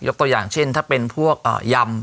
ตัวอย่างเช่นถ้าเป็นพวกยำ